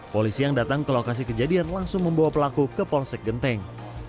polisi yang datang ke lokasi kejadian langsung membawa pelaku ke polsek genteng